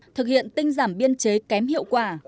thực hiện tinh giảm biên chế kém hiệu quả